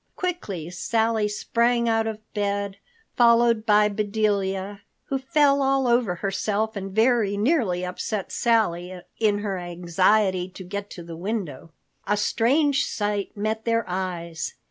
Quickly Sally sprang out of bed, followed by Bedelia, who fell all over herself and very nearly upset Sally in her anxiety to get to the window. A strange sight met their eyes.